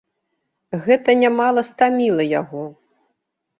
Гэта нямала стаміла яго.